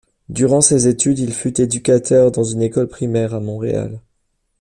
Durant ses études, il fut éducateur dans une école primaire à Montréal.